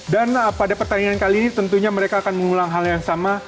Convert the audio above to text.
dan pada pertandingan kali ini tentunya mereka akan mengulang hal yang sama